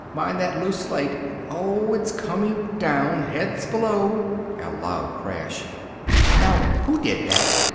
mind that loose slate oh, it's coming down! heads below! " (a loud crash) "now, who did that?